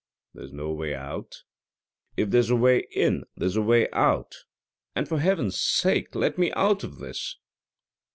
"There's no way out." "If there's a way in there's a way out, and for Heaven's sake let me out of this."